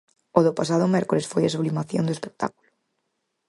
O do pasado mércores foi a sublimación do espectáculo.